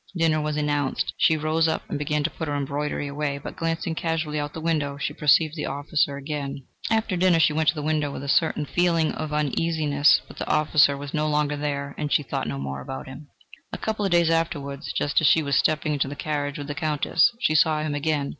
Dinner was announced. She rose up and began to put her embroidery away, but glancing casually out of the window, she perceived the officer again. This seemed to her very strange. After dinner she went to the window with a certain feeling of uneasiness, but the officer was no longer there and she thought no more about him. A couple of days afterwards, just as she was stepping into the carriage with the Countess, she saw him again.